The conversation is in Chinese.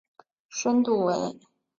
深度为。